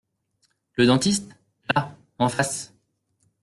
Le dentiste ?… là !… en face !…